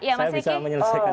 saya bisa menyelesaikan